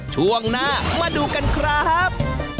ช่วงหน้ามาดูกันครับ